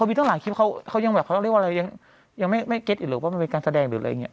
เค้าหลายคลิปเค้าไม่รู้หรอกว่ามันเป็นการแสดงหรืออะไรอย่างนี้